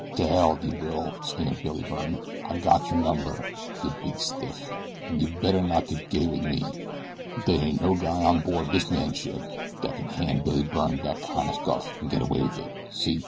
"T'ell yeh will!" sneered Billy Byrne. "I got your number, yeh big stiff; an' yeh better not get gay wit me. Dey ain't no guy on board dis man's ship dat can hand Billy Byrne dat kin' o' guff an' get away with it see?"